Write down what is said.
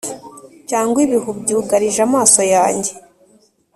cyangwa ibihu byugarije amaso yanjye